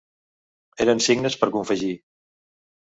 Eren signes per confegir